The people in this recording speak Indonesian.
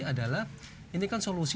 adalah ini kan solusi